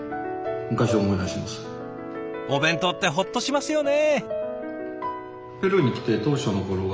お弁当ってホッとしますよね。